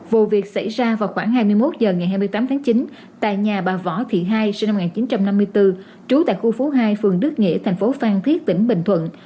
vụ việc xảy ra vào khoảng hai mươi một h ngày hai mươi tám tháng chín tại nhà bà võ thị hai sinh năm một nghìn chín trăm năm mươi bốn trú tại khu phố hai phường đức nghĩa thành phố phan thiết tỉnh bình thuận